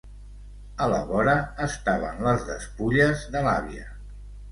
A la vora estaven les despulles de l’àvia...